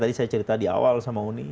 tadi saya cerita di awal sama uni